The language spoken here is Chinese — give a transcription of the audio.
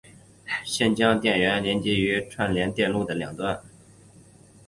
现将电源连接于这串联电路的两端。